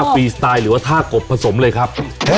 ปีสไตล์หรือว่าท่ากบผสมเลยครับ